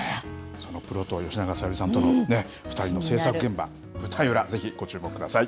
そのプロと吉永小百合さんとの２人の製作現場、舞台裏、ぜひご注目ください。